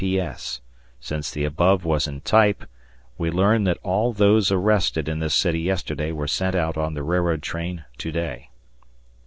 ... P.S. Since the above was in type, we learn that all those arrested in this city yesterday were sent out on the railroad train to day.